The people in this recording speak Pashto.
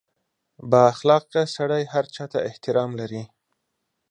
• بااخلاقه سړی هر چا ته احترام لري.